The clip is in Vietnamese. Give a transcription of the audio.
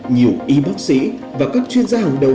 nhiều y bác sĩ và các chuyên gia hàng đầu